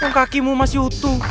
yang kakimu masih utuh